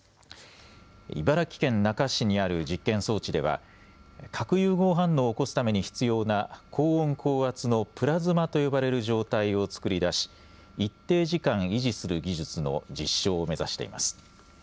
茨城県那珂市にある実験装置では核融合反応を起こすために必要な高温高圧のプラズマと呼ばれる状態を作り出し一定時間、維持する技術の実証を目指しています。